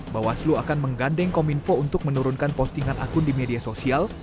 bawaslu akan menggandeng kominfo untuk menurunkan postingan akun di media sosial